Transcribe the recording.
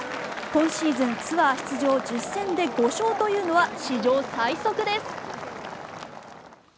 今シーズン、ツアー出場１０戦で５勝というのは史上最速です。